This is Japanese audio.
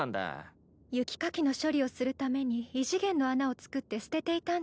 雪かきの処理をするために異次元の穴をつくって捨てていたんです。